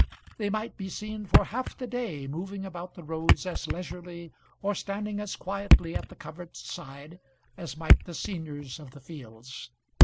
They might be seen for half the day moving about the roads as leisurely, or standing as quietly at the covert's side as might the seniors of the fields.